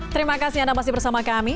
terima kasih anda masih bersama kami